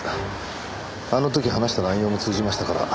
あの時話した内容も通じましたから。